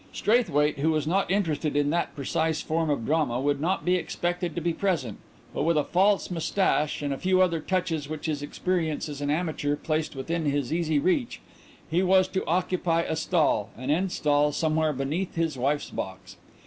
Straithwaite, who was not interested in that precise form of drama, would not be expected to be present, but with a false moustache and a few other touches which his experience as an amateur placed within his easy reach, he was to occupy a stall, an end stall somewhere beneath his wife's box.